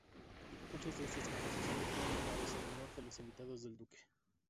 Muchas de estas composiciones fueron nombrados en honor de los invitados del duque.